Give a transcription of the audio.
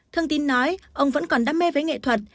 thương tín nói ông vẫn còn đam mê với nghệ thuật